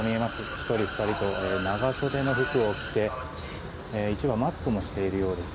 １人、２人と長袖の服を着て一部マスクもしているようです。